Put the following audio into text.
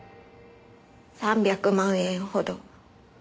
３００万円ほど。